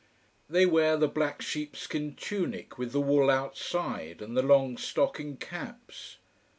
They wear the black sheepskin tunic, with the wool outside, and the long stocking caps.